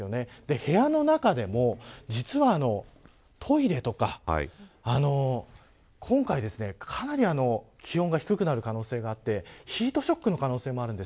部屋の中でも、実はトイレとか今回、かなり気温が低くなる可能性があってヒートショックの可能性もあるんです。